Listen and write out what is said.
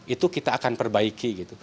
itu kita akan perbaiki gitu